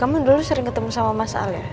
kamu dulu sering ketemu sama mas al ya